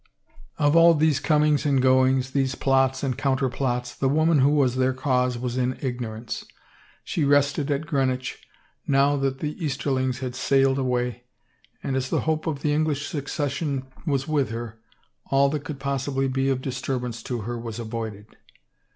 Of all these comings and goings, these plots and counter plots, the woman who was their cause was in ignorance. She rested at Greenwich — now that the Easterlings had sailed away — and as the hope of the English succession was with her, all that could possibly be of disturbance to her was avoided.